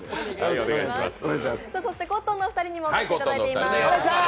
コットンのお二人にもお越しいただいています。